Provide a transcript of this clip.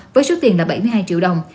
với số tiền là bảy mươi hai triệu đồng